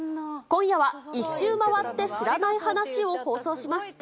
今夜は、１周回って知らない話を放送します。